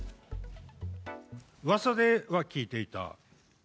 うわさでは聞いていた。